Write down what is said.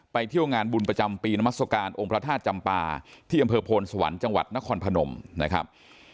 เที่ยวงานบุญประจำปีนามัศกาลองค์พระธาตุจำปาที่อำเภอโพนสวรรค์จังหวัดนครพนมนะครับ